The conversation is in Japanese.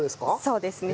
そうですね。